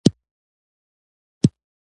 راشه دلې کښېنه!